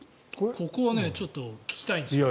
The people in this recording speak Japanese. ここはちょっと聞きたいんですよ。